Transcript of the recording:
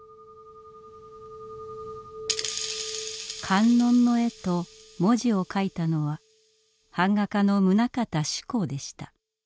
観音の絵と文字を書いたのは版画家の棟方志功でした。